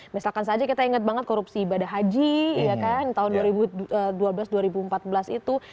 misalkan saja kita ingat banget korupsi ibadah haji tahun dua ribu dua belas dua ribu empat belas itu